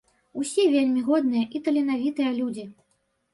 Усе вельмі годныя і таленавітыя людзі.